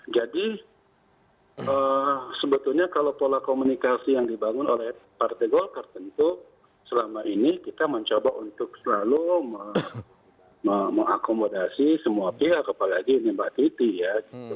jadi sebetulnya kalau pola komunikasi yang dibangun oleh partai golkar tentu selama ini kita mencoba untuk selalu mengakomodasi semua pihak apalagi mbak titi ya